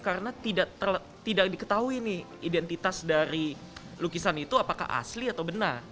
karena tidak diketahui nih identitas dari lukisan itu apakah asli atau benar